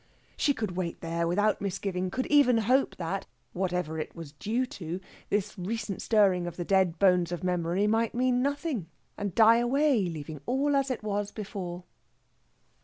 She could wait there without misgiving could even hope that, whatever it was due to, this recent stirring of the dead bones of memory might mean nothing, and die away leaving all as it was before.